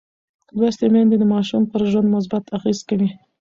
لوستې میندې د ماشوم پر ژوند مثبت اغېز کوي.